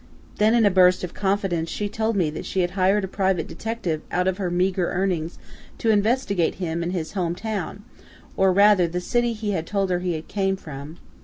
Then, in a burst of confidence, she told me that she had hired a private detective out of her meager earnings to investigate him in his home town, or rather the city he had told her he came from.